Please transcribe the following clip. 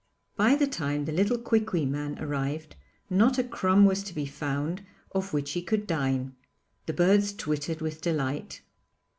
By the time the little Quiqui man arrived, not a crumb was to be found off which he could dine. The birds twittered with delight.